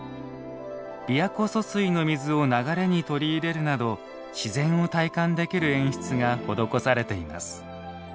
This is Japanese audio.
琵琶湖疏水の水を流れに取り入れるなど自然を体感できる演出が施されています。